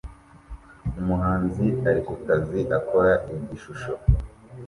Umuhanzi ari kukazi akora igishusho